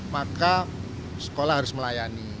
maka sekolah harus melayani